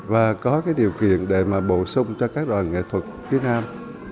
và có cái điều kiện để mà bổ sung cho các đoàn nghệ thuật phía nam